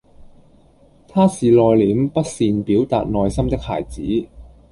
他是內歛、不善表逹內心的孩子